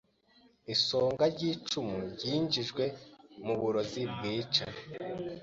Isonga ry'icumu ryinjijwe mu burozi bwica.